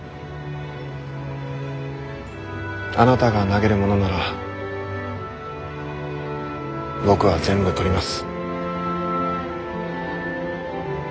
あなたが投げるものなら僕は全部取ります。